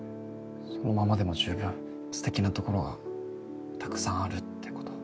そのままでも十分すてきなところがたくさんあるってこと。